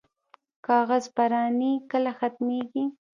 کاغذ پراني کله ختمیږي؟